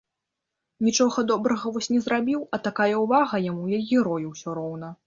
Нічога добрага вось не зрабіў, а такая ўвага яму, як герою ўсё роўна.